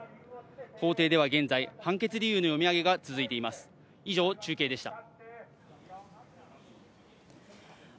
法廷では現在判決理由の読み上げが続いています。